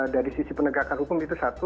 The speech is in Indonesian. dari sisi penegakan hukum itu satu